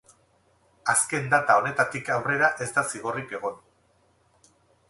Azken data honetatik aurrera ez da zigorrik egon.